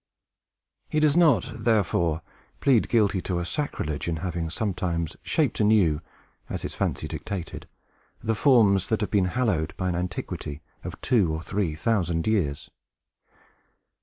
He does not, therefore, plead guilty to a sacrilege, in having sometimes shaped anew, as his fancy dictated, the forms that have been hallowed by an antiquity of two or three thousand years.